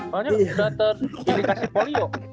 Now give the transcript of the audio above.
makanya udah terindikasi polio